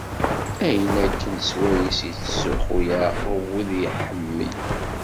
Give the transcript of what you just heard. Ayen akken swayes yettzuxxu Yeɛqub, win i iḥemmel.